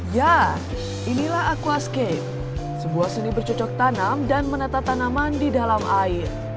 ya inilah aquascape sebuah seni bercocok tanam dan menata tanaman di dalam air